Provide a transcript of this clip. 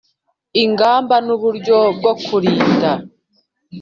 ingamba n uburyo bwo kurinda